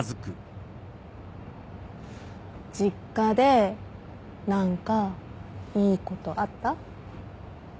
実家で何かいいことあった？